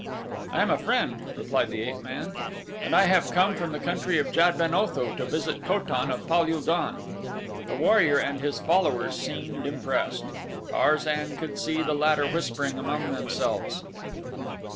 "I am a friend," replied the ape man, "and I have come from the country of Jad ben Otho to visit Ko tan of Pal ul don." The warrior and his followers seemed impressed. Tarzan could see the latter whispering among themselves.